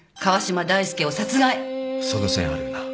その線あるよな。